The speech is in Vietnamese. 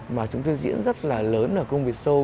mà chúng tôi diễn rất là lớn ở công việc show